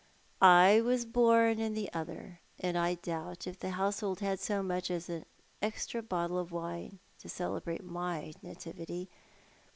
I was born in the other, and I doubt if the household had so much as an extra bottle of wine to celebrate my nativity.